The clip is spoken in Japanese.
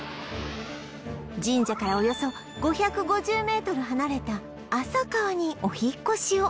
神社からおよそ５５０メートル離れた浅川にお引っ越しを